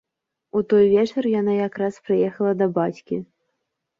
У той вечар яна якраз прыехала да бацькі.